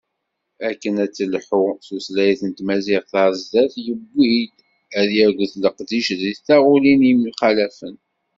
Akken ad telḥu tutlayt n tmaziɣt ɣer sdat, yewwi-d ad yaget leqdic deg taɣulin yemxalafen.